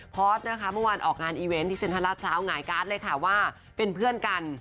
พอสนะคะเมื่อวานออกงานอีเวนต์ที่เซ็นทรัลลาดพร้าวหงายการ์ดเลยค่ะว่าเป็นเพื่อนกัน